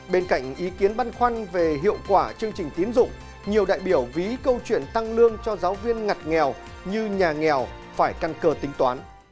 bên cạnh ý kiến băn khoăn về hiệu quả chương trình tiến dụng nhiều đại biểu ví câu chuyện tăng lương cho giáo viên ngặt nghèo như nhà nghèo phải căn cơ tính toán